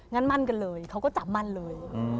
งั้นมั่นกันเลยเขาก็จับมั่นเลย